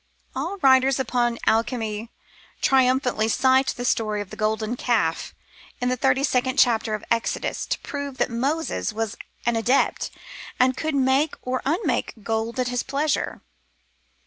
All writers upon alchemy triumphantly cite the story of the golden calf in the thirty second chapter of Exodus, to prove that Moses was an adept, and could make or unmake gold at his pleasure.